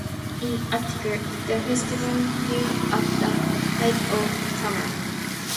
In Attica, the festival fell at the height of summer.